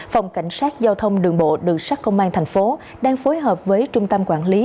phòng cảnh sát giao thông đường bộ đường sát công an thành phố đang phối hợp với trung tâm quản lý